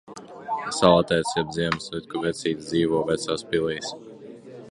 Salatētis jeb Ziemassvētku vecītis dzīvo vecās pilīs.